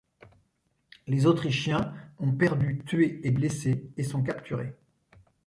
Les Autrichiens ont perdu tués et blessés, et sont capturés.